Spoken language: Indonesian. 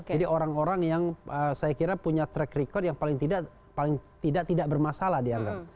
jadi orang orang yang saya kira punya track record yang paling tidak bermasalah dianggap